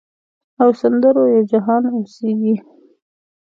او سندرو یو جهان اوسیږې